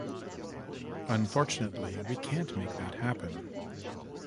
Unfortunately, we can't make that happen.